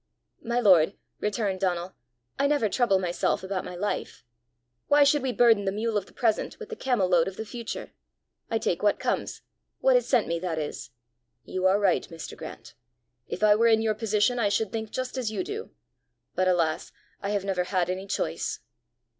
"My lord," returned Donal, "I never trouble myself about my life. Why should we burden the mule of the present with the camel load of the future? I take what comes what is sent me, that is." "You are right, Mr. Grant! If I were in your position, I should think just as you do. But, alas, I have never had any choice!"